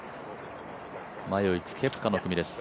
前を行くケプカの組です。